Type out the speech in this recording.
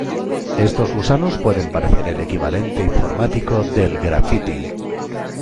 Estos gusanos pueden parecer el equivalente informático del grafiti.